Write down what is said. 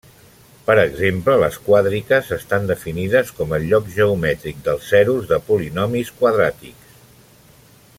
Per exemple, les quàdriques estan definides com el lloc geomètric dels zeros de polinomis quadràtics.